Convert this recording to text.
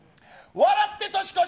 笑って年越し。